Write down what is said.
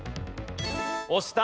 押した。